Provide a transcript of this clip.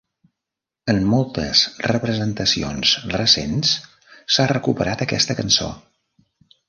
En moltes representacions recents, s'ha recuperat aquesta cançó.